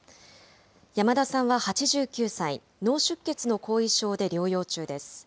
山田さんは８９歳、脳出血の後遺症で療養中です。